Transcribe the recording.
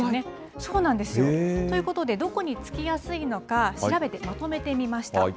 そうなんですよ。ということで、どこにつきやすいのか、調べてまとめてみました。